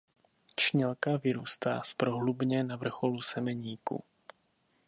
Čnělka vyrůstá z prohlubně na vrcholu semeníku.